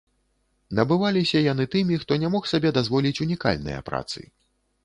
Набываліся яны тымі, хто не мог сабе дазволіць унікальныя працы.